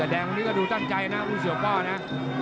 แดงวันนี้ก็ดูตั้งใจนะผู้เสียป้อนะ